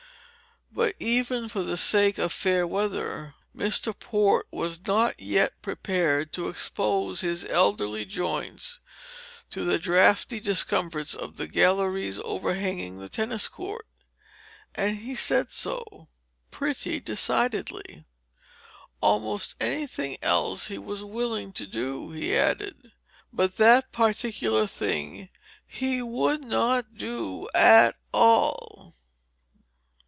But even for the sake of fair weather Mr. Port was not yet prepared to expose his elderly joints to the draughty discomforts of the galleries overhanging the tennis court; and he said so, pretty decidedly. Almost anything else he was willing to do, he added, but that particular thing he would not do at all.